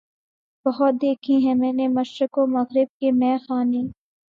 بہت دیکھے ہیں میں نے مشرق و مغرب کے مے خانے